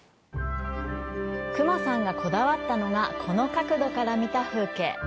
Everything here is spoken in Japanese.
隈さんがこだわったのが、この角度から見た風景。